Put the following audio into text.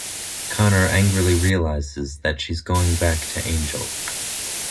Connor angrily realizes that she's going back to Angel.